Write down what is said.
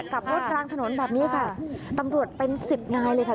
กลับรถกลางถนนแบบนี้ค่ะตำรวจเป็นสิบนายเลยค่ะ